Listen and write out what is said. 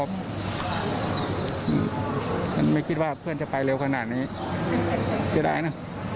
มันไม่คิดว่าเพื่อนจะไปเร็วขนาดนี้เสียดายนะ